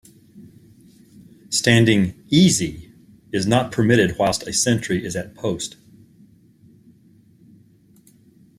Standing "easy" is not permitted whilst a sentry is at post.